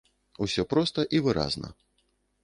Усё проста і выразна.